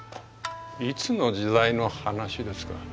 いつの時代の話ですか。